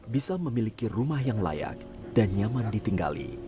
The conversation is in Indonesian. bisa memiliki rumah yang layak dan nyaman ditinggali